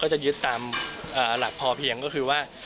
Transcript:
จะยึดตามหลักพอเพียงก็คือว่า